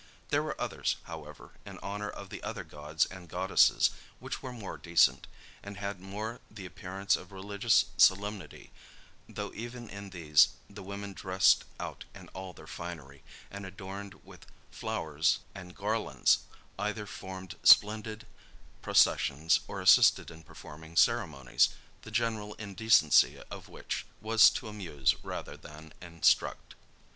There were others, however, in honor of the other gods and goddesses, which were more decent, and had more the appearance of religious solemnity, though even in these, the women dressed out in all their finery; and, adorned with flowers and garlands, either formed splendid processions, or assisted in performing ceremonies, the general tendency of which was to amuse rather than instruct.